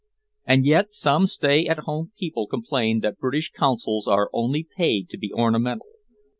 And yet some stay at home people complain that British consuls are only paid to be ornamental!